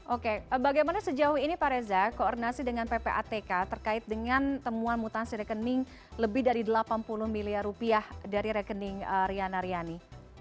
oke bagaimana sejauh ini pak reza koordinasi dengan ppatk terkait dengan temuan mutasi rekening lebih dari delapan puluh miliar rupiah dari rekening riana riani